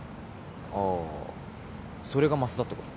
ああそれがマスダってこと？